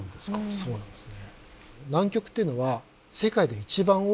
そうなんですね。